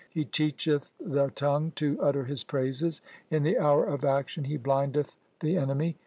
He teacheth the tongue to utter His praises. In the hour of action he blindeth the enemy.